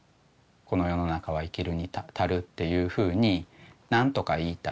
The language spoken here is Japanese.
この世の中は生きるに足るっていうふうに何とか言いたいって。